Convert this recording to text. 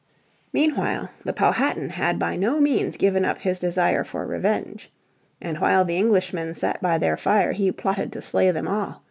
Meanwhile the Powhatan had by no means given up his desire for revenge, and while the Englishmen sat by their fire he plotted to slay them all.